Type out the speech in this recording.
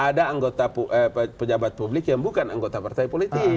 ada anggota pejabat publik yang bukan anggota partai politik